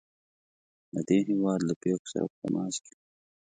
د دې هیواد له پیښو سره په تماس کې وو.